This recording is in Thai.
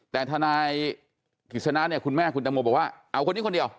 แต่ทนายกฤษณะเนี่ยคุณแม่คุณตังโมบอกว่าเอาคนนี้คนเดียว